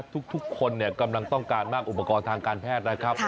ทุกคนกำลังต้องการมากอุปกรณ์ทางการแพทย์นะครับ